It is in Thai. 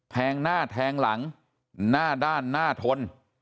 งหน้าแทงหลังหน้าด้านหน้าทน